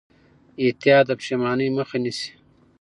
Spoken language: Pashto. احتیاط د پښېمانۍ مخه نیسي.